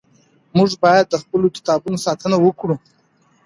موږ باید د خپلو کتابونو ساتنه وکړو.